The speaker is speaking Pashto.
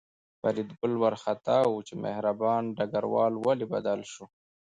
فریدګل وارخطا و چې مهربان ډګروال ولې بدل شو